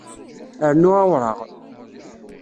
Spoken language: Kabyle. Rnu awṛaɣ